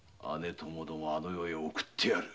ともどもあの世へ送ってやる。